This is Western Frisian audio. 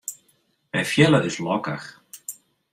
Wy fiele ús lokkich.